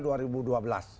dua ribu dua belas